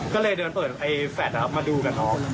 ก็เลยเดินเปิดไอ้แฟลตมาดูกับน้อง